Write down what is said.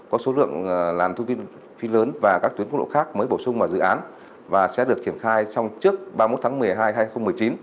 có số lượng làn thu phí phi lớn và các tuyến quốc độ khác mới bổ sung vào dự án và sẽ được triển khai trước ba mươi một tháng một mươi hai năm hai nghìn một mươi chín